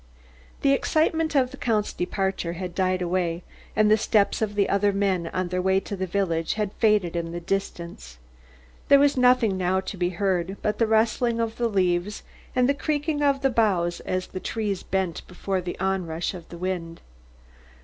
The excitement of the Count's departure had died away and the steps of the other men on their way to the village had faded in the distance. There was nothing now to be heard but the rustling of the leaves and the creaking of the boughs as the trees bent before the onrush of the wind.